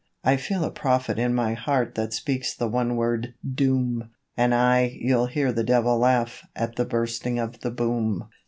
I feel a prophet in my heart that speaks the one word 'Doom!' And aye you'll hear the Devil laugh at the Bursting of the Boom.